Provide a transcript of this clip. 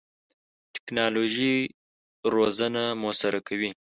ټکنالوژي روزنه موثره کوي.